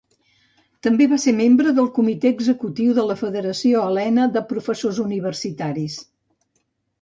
També va ser membre del Comitè Executiu de la Federació Hel·lena de Professors Universitaris.